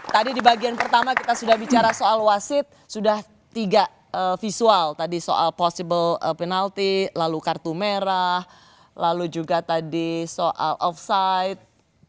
tadi di bagian pertama kita sudah bicara soal wasit sudah tiga visual tadi soal possible penalti lalu kartu merah lalu juga tadi soal offside